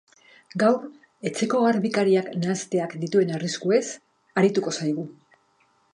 Gaur, etxeko garbikariak nahasteak dituen arriskuez aritu zaigu.